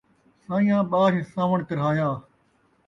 سائیاں ٻاجھ ساوݨ ترہایا